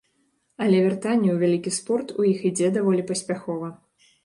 Але вяртанне ў вялікі спорт у іх ідзе даволі паспяхова.